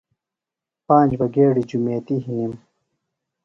پانج بہ گیڈیۡ جُمیتیۡ ہِنِم۔